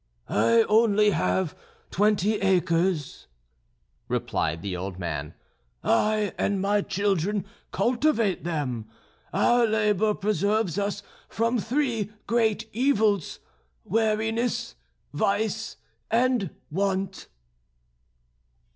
"I have only twenty acres," replied the old man; "I and my children cultivate them; our labour preserves us from three great evils weariness, vice, and want."